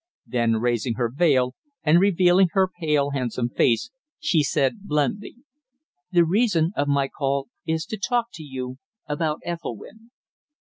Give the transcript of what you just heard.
Then raising her veil, and revealing her pale, handsome face, she said bluntly, "The reason of my call is to talk to you about Ethelwynn."